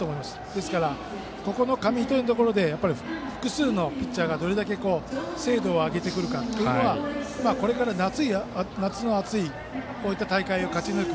ですから紙一重で複数のピッチャーがどれだけ精度を上げてくるかがこれから夏の暑いこういった大会を勝ち抜く